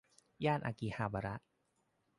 ย่านอากิฮาบาระ